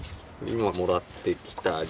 今もらってきた。